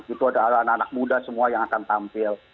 itu ada anak anak muda semua yang akan tampil